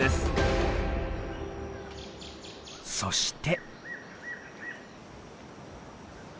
そして。